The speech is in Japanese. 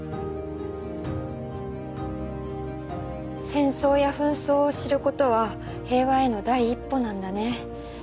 戦争や紛争を知ることは平和への第一歩なんだね。